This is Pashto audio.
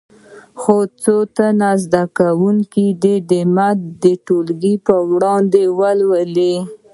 څو تنه زده کوونکي دې متن د ټولګي په وړاندې ولولي.